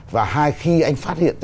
và hai khi anh phát hiện